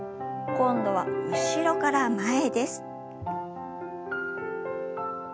今度は後ろから前です。